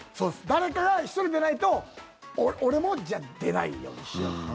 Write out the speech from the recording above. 誰かが１人出ないと俺も、じゃあ出ないようにしようっていう。